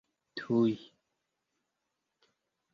tuj